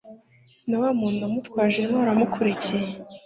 na wa muntu umutwaje intwaro amukurikiye